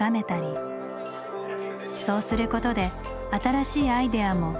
そうすることで新しいアイデアも生まれる。